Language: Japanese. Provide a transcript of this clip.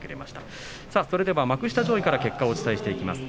幕下上位から結果をお伝えします。